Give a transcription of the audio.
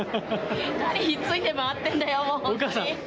何ひっついて回ってんだよ、お母さん。